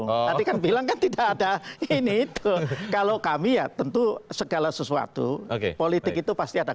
ngerti kan bilangnya tidak ada ini kalau kami ya tentu segala sesuatu oke politik itu pasti ada